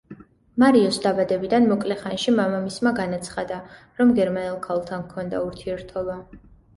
მარიოს დაბადებიდან მოკლე ხანში მამამისმა განაცხადა, რომ გერმანელ ქალთან ჰქონდა ურთიერთობა.